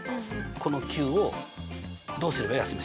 この９をどうすればいい？